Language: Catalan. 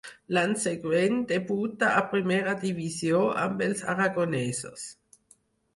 L'any següent debuta a primera divisió amb els aragonesos.